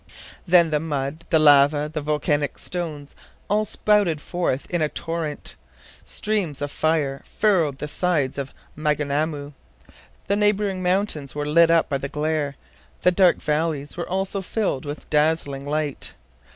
Then the mud, the lava, the volcanic stones, all spouted forth in a torrent. Streams of fire furrowed the sides of Maunganamu. The neighboring mountains were lit up by the glare; the dark valleys were also filled with dazzling light.